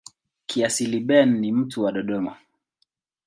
Kiasili Ben ni mtu wa Dodoma.